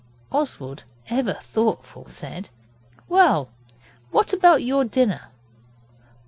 Oswald, ever thoughtful, said 'Well, what about your dinner?